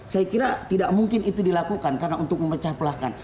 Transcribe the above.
saya kira tidak mungkin itu dilakukan karena untuk memecah pelahkan